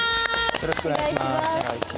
よろしくお願いします。